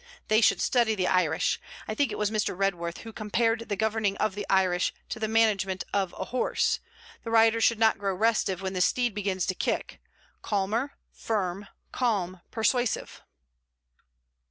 They should study the Irish: I think it was Mr. Redworth who compared the governing of the Irish to the management of a horse: the rider should not grow restive when the steed begins to kick: calmer; firm, calm, persuasive.'